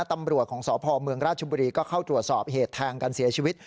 ตำรวจของสพเมืองราชบุรีก็เข้าตรวจสอบเหตุแทงกันเสียชีวิต